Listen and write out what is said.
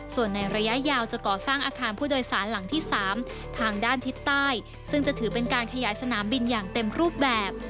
ส่วนในระยะยาวจะก่อสร้างอาคารผู้โดยสารหลังที่๓ทางด้านทิศใต้ซึ่งจะถือเป็นการขยายสนามบินอย่างเต็มรูปแบบ